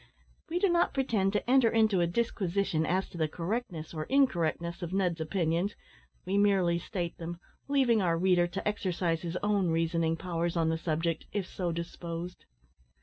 We do not pretend to enter into a disquisition as to the correctness or incorrectness of Ned's opinions; we merely state them, leaving our reader to exercise his own reasoning powers on the subject, if so disposed.